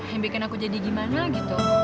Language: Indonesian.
yang bikin aku jadi gimana gitu